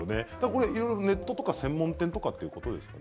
いろいろネットとか専門店とかということですよね。